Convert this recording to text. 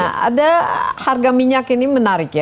nah ada harga minyak ini menarik ya